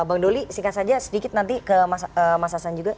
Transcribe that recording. bang doli singkat saja sedikit nanti ke mas hasan juga